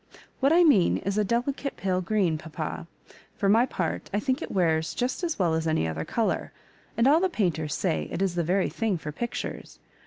What I mean is a delicate pale green, papa. For my X>art, I think it wears just as well as any other colour ; and all the painters say it is the very thing for pictures.